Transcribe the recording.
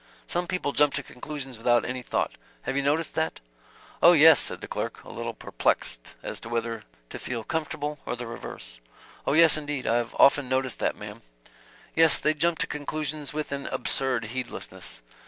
Some people jump to conclusions without any thought you have noticed that?" "O yes," said the clerk, a little perplexed as to whether to feel comfortable or the reverse; "Oh yes, indeed, I've often noticed that, ma'm." "Yes, they jump to conclusions with an absurd heedlessness.